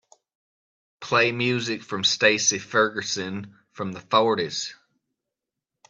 Play music from Stacy Ferguson from the fourties